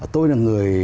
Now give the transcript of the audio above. tôi là người